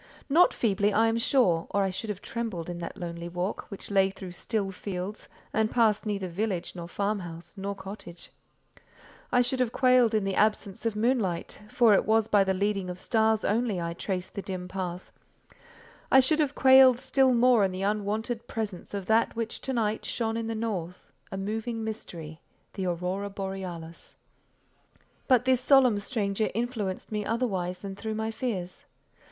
Not feebly, I am sure, or I should have trembled in that lonely walk, which lay through still fields, and passed neither village nor farmhouse, nor cottage: I should have quailed in the absence of moonlight, for it was by the leading of stars only I traced the dim path; I should have quailed still more in the unwonted presence of that which to night shone in the north, a moving mystery—the Aurora Borealis. But this solemn stranger influenced me otherwise than through my fears.